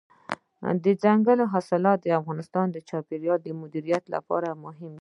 دځنګل حاصلات د افغانستان د چاپیریال د مدیریت لپاره مهم دي.